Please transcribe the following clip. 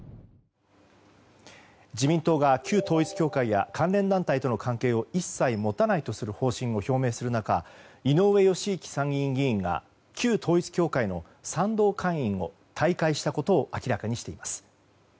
自民党が旧統一教会や関連団体との関係を一切持たないとする方針を表明する中井上義行参院議員が旧統一教会の賛同会員を退会したことを明らかにしています。